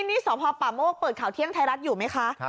นี่สพป่าโมกเปิดข่าวเที่ยงไทยรัฐอยู่ไหมคะ